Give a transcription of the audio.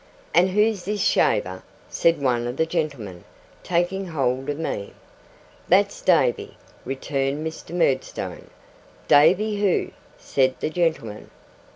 'And who's this shaver?' said one of the gentlemen, taking hold of me. 'That's Davy,' returned Mr. Murdstone. 'Davy who?' said the gentleman.